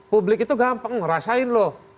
publik itu gampang ngerasain loh